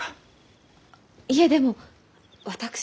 いえでも私は。